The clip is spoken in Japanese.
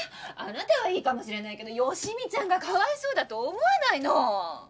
あなたはいいかもしれないけど好美ちゃんがかわいそうだと思わないの？